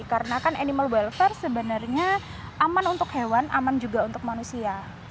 karena kan animal welfare sebenarnya aman untuk hewan aman juga untuk manusia